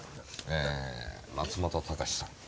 松本隆さん。